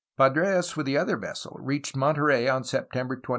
Padres, with the other vessel, reached Monterey on September 25.